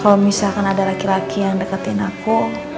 kalau misalkan ada laki laki yang deketin aku